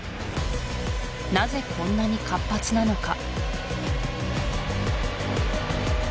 なぜこんなに活発なのか？